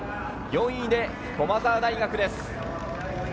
４位で駒澤大学です。